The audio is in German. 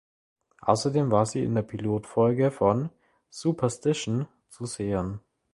Außerdem war sie in der Pilotfolge von "Superstition" zu sehen.